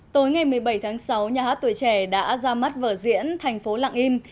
tối ngày một mươi bảy tháng sáu nhà hát tuổi trẻ đã ra mắt vở diễn thành phố lạng im